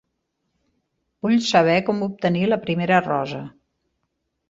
Vull saber com obtenir la primera rosa.